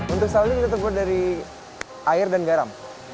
untuk salju kita buat dari air dan garam